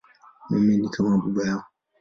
Mimi ni kama baba yao.